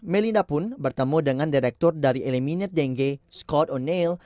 melinda pun bertemu dengan direktur dari eliminer dengue scott onail